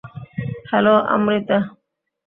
Hello, Amrita.